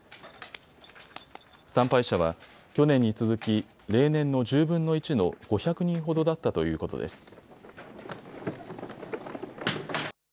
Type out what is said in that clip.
参拝者は去年に続き例年の１０分の１の５００人ほどだったということです。